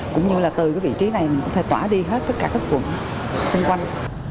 cũng như là từ vị trí này mình có thể tỏa đi hết tất cả các quận xung quanh